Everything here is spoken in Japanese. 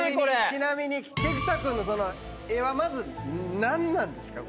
ちなみに菊田君のその絵はまず何なんですか？